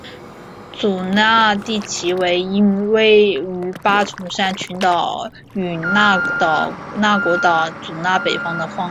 祖纳地崎为一位于八重山群岛与那国岛祖纳北方的荒岛。